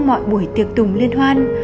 trong mọi buổi tiệc tùng liên hoan